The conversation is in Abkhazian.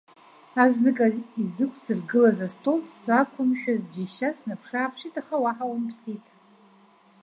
Азныказ изықәсыргылаз астол сақәымшәаз џьышьа снаԥшы-ааԥшит, аха уаҳа умԥсит.